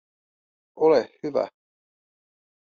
Ole hyvä